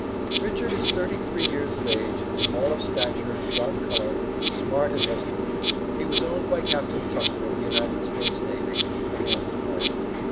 "Richard is thirty three years of age, small of stature, dark color, smart and resolute. He was owned by Captain Tucker, of the United States Navy, from whom he fled."